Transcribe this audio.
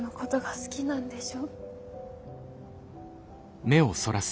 好きなんでしょ？